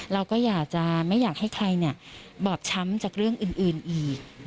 เราก็อยากจะไม่อยากให้ใครบอบช้ำจากเรื่องอื่นอีก